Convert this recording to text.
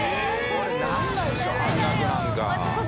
これならないでしょ半額なんか。